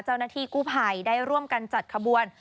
เจ้าหน้าที่กู้ภัยได้ร่วมกันจัดขบวน